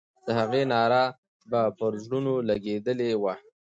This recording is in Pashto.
د هغې ناره به پر زړونو لګېدلې وه.